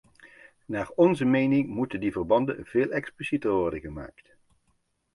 Naar onze mening moeten die verbanden veel explicieter worden gemaakt.